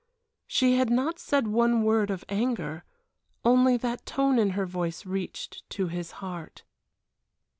She had not said one word of anger only that tone in her voice reached to his heart.